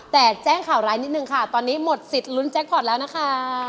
แต่แจ้งข่าวร้ายนิดนึงค่ะตอนนี้หมดสิทธิ์ลุ้นแจ็คพอร์ตแล้วนะคะ